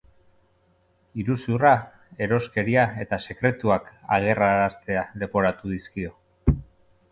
Iruzurra, eroskeria eta sekretuak agerraraztea leporatu dizkio.